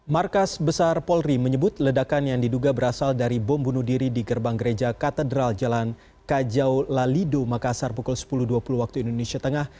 markas besar polri menyebut ledakan yang diduga berasal dari bom bunuh diri di gerbang gereja katedral jalan kajau lalido makassar pukul sepuluh dua puluh waktu indonesia tengah